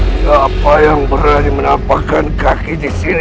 siapa yang berani menampakan kaki disini